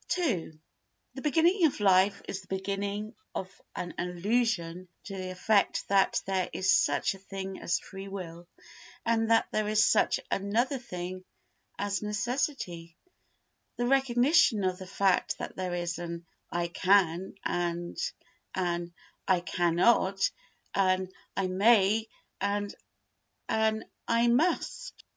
ii The beginning of life is the beginning of an illusion to the effect that there is such a thing as free will and that there is such another thing as necessity—the recognition of the fact that there is an "I can" and an "I cannot," an "I may" and an "I must."